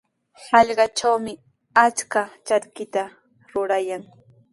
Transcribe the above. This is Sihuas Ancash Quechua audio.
Hallqatrawmi achka charkitaqa rurayan.